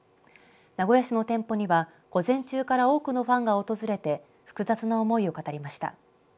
名古屋市の店舗には午前中から多くのファンが訪れて複雑な思いを語りました。